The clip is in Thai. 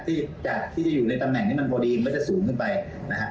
จากที่จะอยู่ในตำแหน่งนี้มันพอดีมันจะสูงขึ้นไปนะฮะ